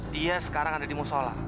dia sekarang ada di musola